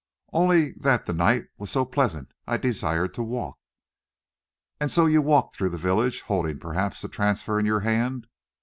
"Only that the night, he was so pleasant, I desired to walk." "And so you walked through the village, holding, perhaps, the transfer in your hand?"